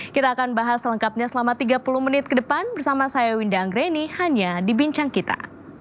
kita akan bahas selengkapnya selama tiga puluh menit ke depan bersama saya winda anggreni hanya di bincang kita